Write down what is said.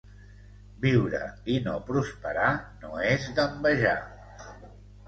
Viure i no prosperar no és d'envejar.